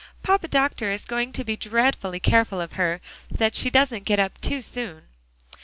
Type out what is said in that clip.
"Papa Doctor is going to be dreadfully careful of her, that she doesn't get up too soon."